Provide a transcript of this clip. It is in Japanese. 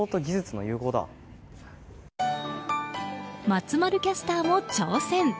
松丸キャスターも挑戦。